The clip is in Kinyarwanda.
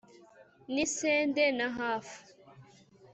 N'isende na hafu,